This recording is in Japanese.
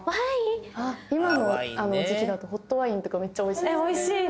今の時期だとホットワインとかめっちゃおいしいですよね